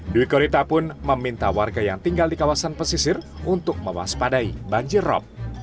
dwi korita pun meminta warga yang tinggal di kawasan pesisir untuk mewaspadai banjir rob